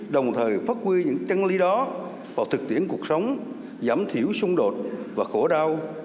đồng thời phát quy những chân lý đó vào thực tiễn cuộc sống giảm thiểu xung đột và khổ đau